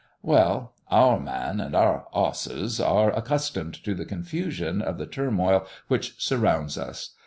Well! our man and our "osses" are accustomed to the confusion and the turmoil which surrounds us.